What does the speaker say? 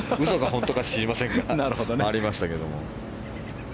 本当か知りませんがありましたけど。